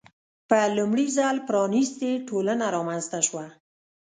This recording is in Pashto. په لومړي ځل پرانیستې ټولنه رامنځته شوه.